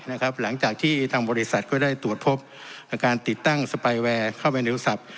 หลังจากที่ทางบริษัทก็ได้ตรวจพบการติดตั้งสไปแวร์เข้าไปในโทรศัพท์